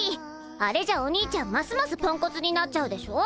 あれじゃお兄ちゃんますますポンコツになっちゃうでしょ。